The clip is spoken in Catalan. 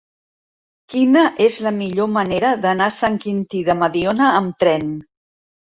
Quina és la millor manera d'anar a Sant Quintí de Mediona amb tren?